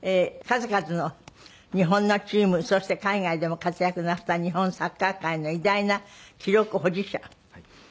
数々の日本のチームそして海外でも活躍なすった日本サッカー界の偉大な記録保持者。